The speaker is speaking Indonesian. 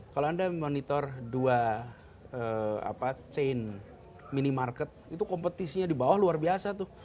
kalau anda memonitor dua chain minimarket itu kompetisinya di bawah luar biasa tuh